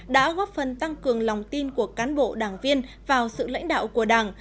đã góp phần tăng cường lòng tin của cán bộ đảng viên vào sự lãnh đạo của đảng